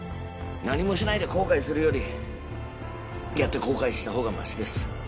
何もしないで後悔するよりやって後悔した方がましです。